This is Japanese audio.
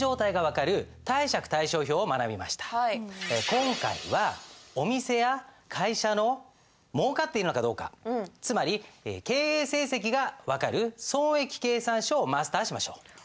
今回はお店や会社のもうかっているのかどうかつまり経営成績が分かる損益計算書をマスターしましょう。